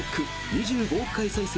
２５億回再生